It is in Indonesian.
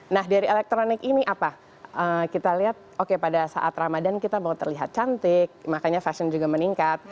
nah dari elektronik ini apa kita lihat oke pada saat ramadan kita mau terlihat cantik makanya fashion juga meningkat